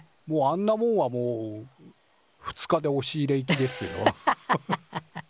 もうあんなもんはもう２日でおし入れいきですよ。